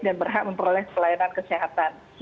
dan berhak memperoleh pelayanan kesehatan